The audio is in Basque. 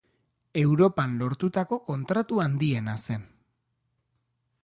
Europan lortutako kontratu handiena zen.